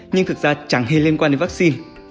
nhưng thực ra chẳng hề liên quan đến vaccine